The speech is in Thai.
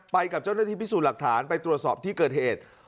กับเจ้าหน้าที่พิสูจน์หลักฐานไปตรวจสอบที่เกิดเหตุ